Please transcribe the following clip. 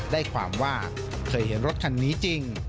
ได้ความว่าเคยเห็นรถคันนี้จริง